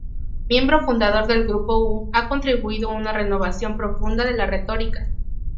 Miembro fundador del Grupo µ, ha contribuido a una renovación profunda de la retórica.